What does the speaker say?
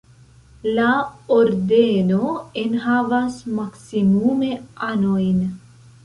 La Ordeno enhavas maksimume anojn.